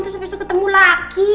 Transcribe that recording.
terus abis itu ketemu lagi